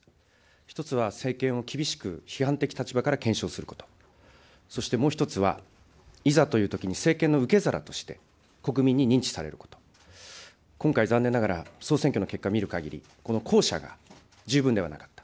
１つは政権を厳しく批判的立場から検証すること、そしてもう１つはいざというときに政権の受け皿として、国民に認知されること、今回残念ながら総選挙の結果見るかぎり、この後者が十分ではなかった。